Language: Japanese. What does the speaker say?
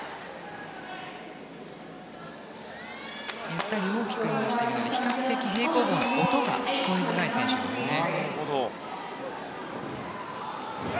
ゆったり大きく演技しているので比較的、平行棒の音が聞こえづらい選手ですよね。